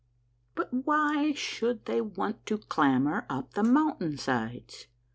But why should they want to clamber up the mountain sides ?